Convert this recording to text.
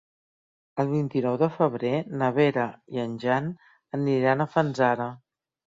El vint-i-nou de febrer na Vera i en Jan aniran a Fanzara.